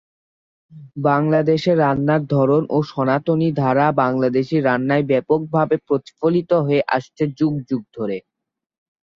বাংলাদেশে রান্নার ধরন ও সনাতনী ধারা বাংলাদেশী রান্নায় ব্যাপকভাবে প্রতিফলিত হয়ে আসছে যুগ যুগ ধরে।